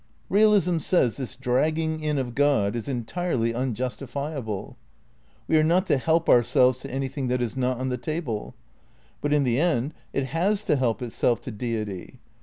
Eealism says this dragging in of God is entirely un justifiable. We are not to help ourselves to anything that is not on the table. But in the end it has to help itself to Deity.